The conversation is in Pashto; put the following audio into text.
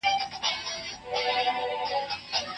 محدود حق د عدالت لپاره دی.